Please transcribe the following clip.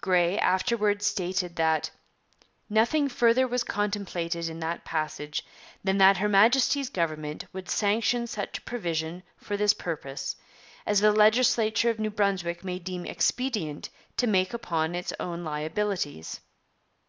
Grey afterwards stated 'that nothing further was contemplated in that passage than that Her Majesty's Government would sanction such a provision for this purpose as the legislature of New Brunswick may deem expedient to make upon its own liabilities.'